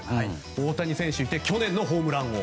大谷選手がいて去年のホームラン王。